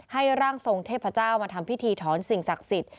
ร่างทรงเทพเจ้ามาทำพิธีถอนสิ่งศักดิ์สิทธิ